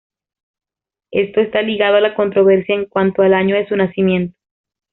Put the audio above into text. Esto está ligado a la controversia en cuanto al año de su nacimiento.